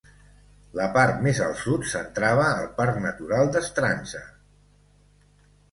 La part més al sud s'entrava al Parc Natural d'Strandzha.